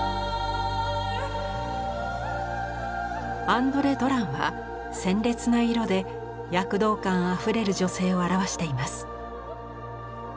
アンドレ・ドランは鮮烈な色で躍動感あふれる女性を表しています。